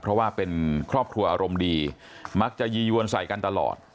เพราะว่าเป็นครอบครัวอารมณ์ดีมักจะยียวนใส่กันตลอด